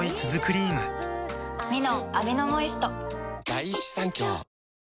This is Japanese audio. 「ミノンアミノモイスト」・あっ！